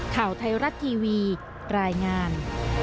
ข่าวไทยรัฐทีวีรายงาน